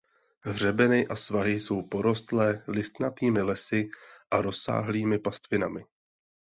Hřebeny a svahy jsou porostlé listnatými lesy a rozsáhlými pastvinami.